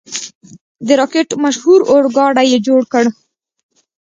د راکټ مشهور اورګاډی یې جوړ کړ.